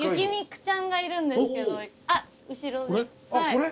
これ？